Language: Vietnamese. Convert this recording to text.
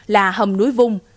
là hầm núi vung